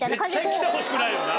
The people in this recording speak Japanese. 絶対来てほしくないよな。